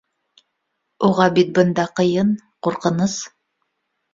— Уға бит бында ҡыйын, ҡурҡыныс.